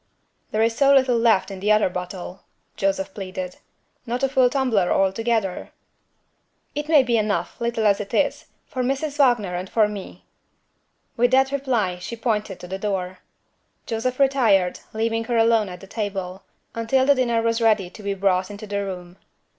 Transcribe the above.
"There is so little left in the other bottle," Joseph pleaded; "not a full tumbler altogether." "It may be enough, little as it is, for Mrs. Wagner and for me." With that reply she pointed to the door. Joseph retired, leaving her alone at the table, until the dinner was ready to be brought into the room.